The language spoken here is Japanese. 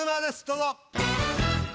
どうぞ。